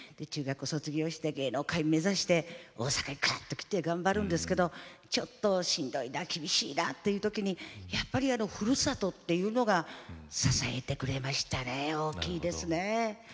中学を卒業して芸能界目指して大阪に来て頑張るんですけどちょっと、しんどいな厳しいなっていうときにやっぱり、ふるさとっていうのが支えてくれましたね大きいですね。